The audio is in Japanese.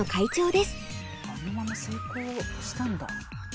あのまま成功したんだ。